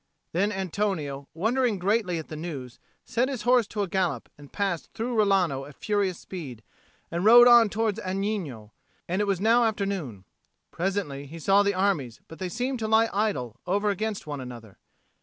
Then Antonio, wondering greatly at the news, set his horse to a gallop and passed through Rilano at furious speed, and rode on towards Agnino; and it was now afternoon. Presently he saw the armies, but they seemed to lie idle, over against one another.